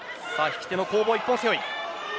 引き手の攻防一本背負です。